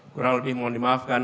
kurang lebih mohon dimaafkan